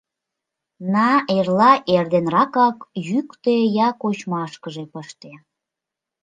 На, эрла эрденракак йӱктӧ я кочмашкыже пыште.